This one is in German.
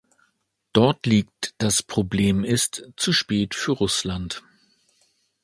Dort liegt das Problemist zu spät für Russland.